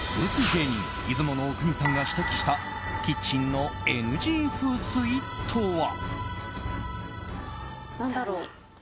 芸人・出雲阿国さんが指摘したキッチンのＮＧ風水とは？